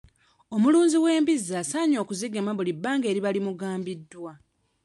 Omulunzi w'embizzi asaanye okuzigema mu bbanga eriba limugambiddwa.